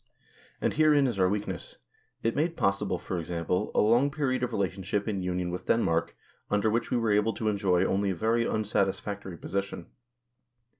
And herein is our weakness ; it made possible, for example, a long period of relationship in union with Denmark, under which we were able to enjoy only a very unsatisfactory position.